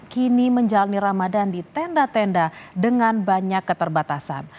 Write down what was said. kini menjalani ramadan di tenda tenda dengan banyak keterbatasan